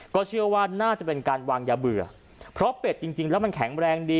ก็เชื่อว่าน่าจะเป็นการวางยาเบื่อเพราะเป็ดจริงแล้วมันแข็งแรงดี